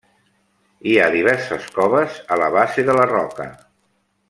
Hi ha diverses coves a la base de la roca.